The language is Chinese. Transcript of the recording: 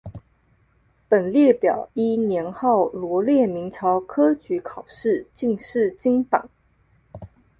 本列表依年号罗列明朝科举考试进士金榜。